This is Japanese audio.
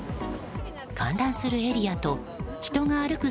観覧するエリアと人が歩く